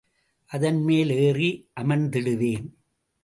அதன்மேல் ஏறி அமர்ந்திடுவேன்.